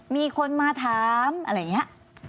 มีคนมาถามอะไรอย่างนี้